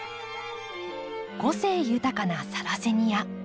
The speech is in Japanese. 個性豊かなサラセニア。